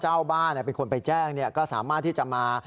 เจ้าบ้านเป็นคนไปแจ้งก็สามารถที่จะมา